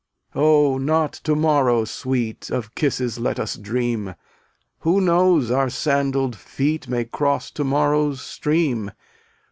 256 Oh, not to morrow, Sweet, Of kisses let us dream; Who knows our sandaled feet May cross to morrow's stream?